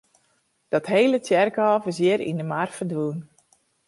Dat hele tsjerkhôf is hjir yn de mar ferdwûn.